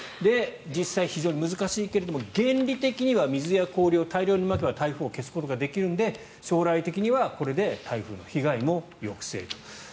実際、非常に難しいけれども原理的には水や氷を大量にまけば台風を消すことができるので将来的にはこれで台風の被害も抑制と。